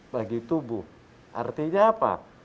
bagi tubuh artinya apa